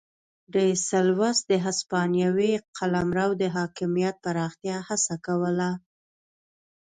ډي سلوس د هسپانوي قلمرو د حاکمیت پراختیا هڅه کوله.